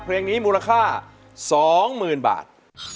เพลงนี้มูลค่า๒๐๐๐บาท